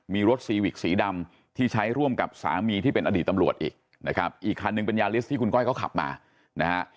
มีรถซีวิกสีดำที่ใช้ร่วมกับสามีที่เป็นอดีตตำรวจอีกนะครับอีกคันหนึ่งเป็นยาลิสที่คุณก้อยเขาขับมานะฮะ